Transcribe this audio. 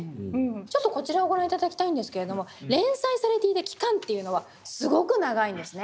ちょっとこちらをご覧頂きたいんですけれども連載されていた期間というのはすごく長いんですね。